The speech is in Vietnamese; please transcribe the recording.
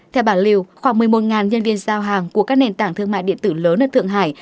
theo bản lều khoảng một mươi một nhân viên giao hàng của các nền tảng thương mại điện tử lớn ở thượng hải